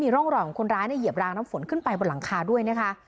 ร่องรอยของคนร้ายเหยียบรางน้ำฝนขึ้นไปบนหลังคาด้วยนะคะ